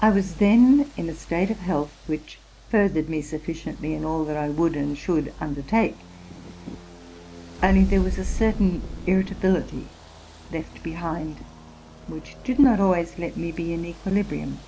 I was then in a state of health which furthered me sufficiently in all that I would and should un dertake ; only there was a certain irritability left behind, which did not always let me be in equilibrium.